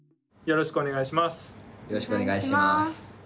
よろしくお願いします。